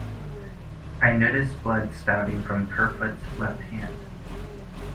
I noticed blood spouting from Kerfoot's left hand.